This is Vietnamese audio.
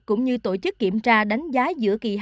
cũng như tổ chức kiểm tra đánh giá giữa kỳ hai